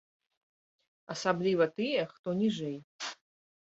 Асабліва тыя, хто ніжэй.